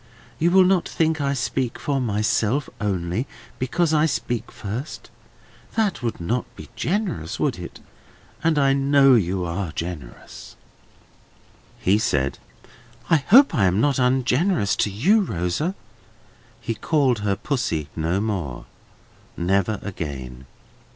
You will not think I speak for myself only, because I speak first? That would not be generous, would it? And I know you are generous!" He said, "I hope I am not ungenerous to you, Rosa." He called her Pussy no more. Never again.